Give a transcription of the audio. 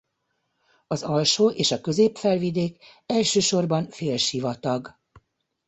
Az alsó és a közép-felvidék elsősorban félsivatag.